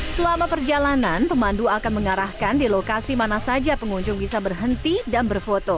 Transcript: selama perjalanan pemandu akan mengarahkan di lokasi mana saja pengunjung bisa berhenti dan berfoto